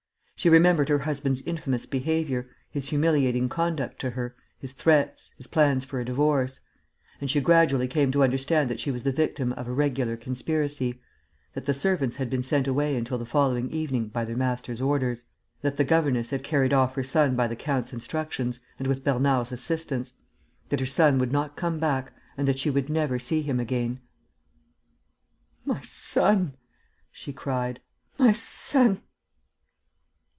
She remembered her husband's infamous behaviour, his humiliating conduct to her, his threats, his plans for a divorce; and she gradually came to understand that she was the victim of a regular conspiracy, that the servants had been sent away until the following evening by their master's orders, that the governess had carried off her son by the count's instructions and with Bernard's assistance, that her son would not come back and that she would never see him again. "My son!" she cried. "My son!..."